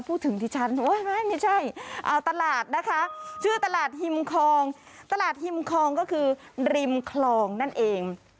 ดิฉันโอ๊ยไม่ใช่เอาตลาดนะคะชื่อตลาดฮิมคลองตลาดฮิมคองก็คือริมคลองนั่นเอง